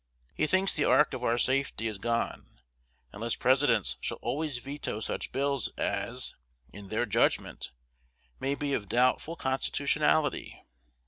He thinks the ark of our safety is gone, unless Presidents shall always veto such bills as, in their judgment, may be of doubtful constitutionality.